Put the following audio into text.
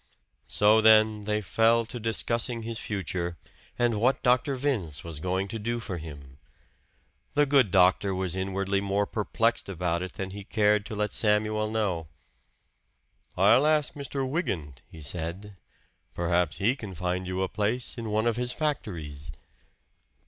So then they fell to discussing his future, and what Dr. Vince was going to do for him. The good doctor was inwardly more perplexed about it than he cared to let Samuel know. "I'll ask Mr. Wygant," he said "perhaps he can find you a place in one of his factories."